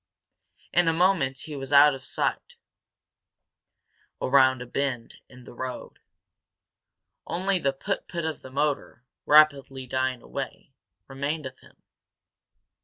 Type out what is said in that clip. In a moment he was out of sight, around a bend in the road. Only the put put of the motor, rapidly dying away, remained of him.